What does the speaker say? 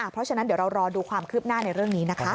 เพราะฉะนั้นเดี๋ยวเรารอดูความคืบหน้าในเรื่องนี้นะคะ